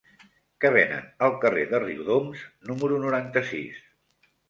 Què venen al carrer de Riudoms número noranta-sis?